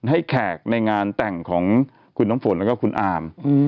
แขกในงานแต่งของคุณน้ำฝนแล้วก็คุณอาม